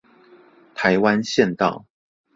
台灣縣道